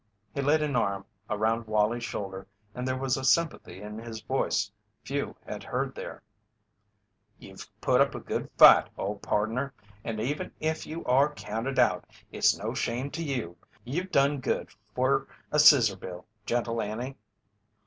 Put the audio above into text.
He laid an arm about Wallie's shoulder and there was a sympathy in his voice few had heard there: "You've put up a good fight, old pardner, and even if you are counted out, it's no shame to you. You've done good fer a Scissor bill, Gentle Annie."